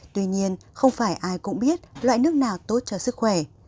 tuy nhiên không phải ai cũng biết loại nước nào tốt cho sức khỏe